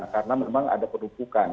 karena memang ada penumpukan